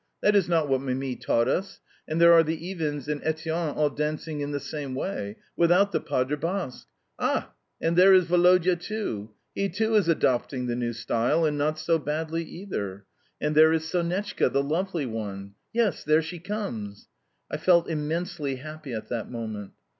That is not what Mimi taught us. And there are the Iwins and Etienne all dancing in the same way without the pas de Basques! Ah! and there is Woloda too! He too is adopting the new style, and not so badly either. And there is Sonetchka, the lovely one! Yes, there she comes!" I felt immensely happy at that moment.